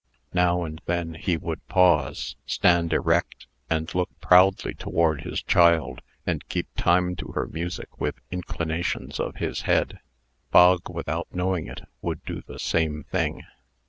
Now and then he would pause, stand erect, and look proudly toward his child, and keep time to her music with inclinations of his head. Bog, without knowing it, would do the same thing.